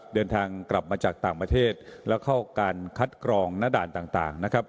เดินทางกลับมาจากต่างประเทศแล้วเข้าการคัดกรองณด่านต่างนะครับ